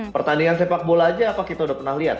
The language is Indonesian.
pertandingan sepak bola aja apa kita udah pernah lihat